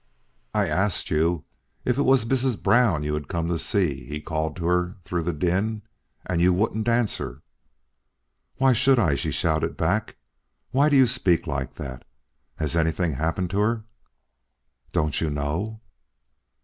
"I asked you if it was Missus Brown you had come to see," he called to her through the din. "And you wouldn't answer." "Why should I?" she shouted back. "Why do you speak like that? Has anything happened to her?" "Don't you know?"